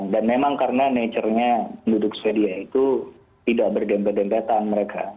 dan memang karena nature nya penduduk sweden itu tidak berdeng deng deng datang mereka